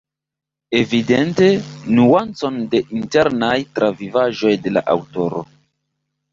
Evidente, nuancon de internaj travivaĵoj de la aŭtoro.